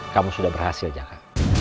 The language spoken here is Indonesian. kamu sudah berhasil jaga